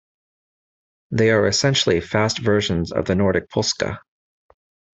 They are essentially fast versions of the Nordic polska.